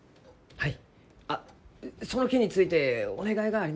はい。